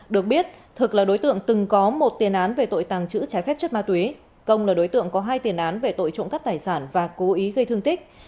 được biết thực là đối tượng từng có một tiền án về tội tàng trữ trái phép chất ma túy công là đối tượng có hai tiền án về tội trộm cắp tài sản và cố ý gây thương tích